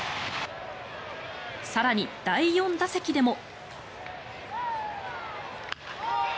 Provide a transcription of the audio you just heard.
更に、第４打席でも。